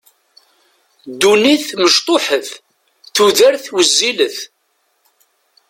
Ddunit mecṭuḥet, tudert wezzilet.